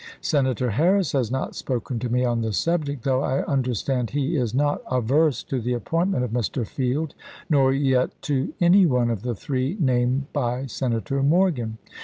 Senator Harris has not spoken to me on the subject, though I under stand he is not averse to the appointment of Mr. Field, nor yet to any one of the three named by Senator Morgan.